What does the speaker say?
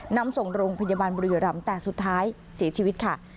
นำส่งโรงพยาบาลบุรีรำแต่สุดท้ายเสียชีวิตค่ะ